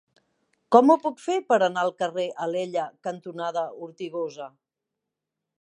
Com ho puc fer per anar al carrer Alella cantonada Ortigosa?